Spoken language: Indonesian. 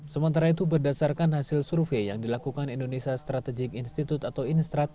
sementara itu berdasarkan hasil survei yang dilakukan indonesia strategic institute atau instract